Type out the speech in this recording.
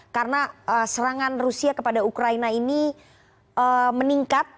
karena serangan rusia kepada ukraina ini meningkat